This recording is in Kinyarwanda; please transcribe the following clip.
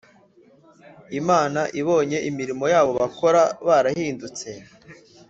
Imana ibonye imirimo yabo bakora barahindutse